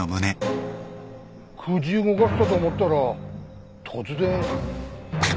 口動かしたと思ったら突然。